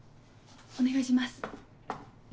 お願いします。